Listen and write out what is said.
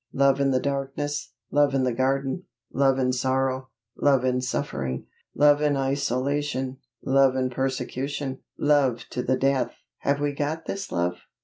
Love in the darkness; Love in the Garden; Love in sorrow; Love in suffering; Love in isolation; Love in persecution; Love to the death! Have we got this love?